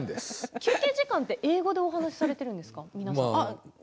休憩時間は英語でお話しされるんですか？